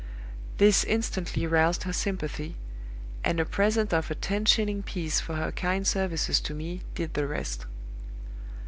This instantly roused her sympathy, and a present of a ten shilling piece for her kind services to me did the rest.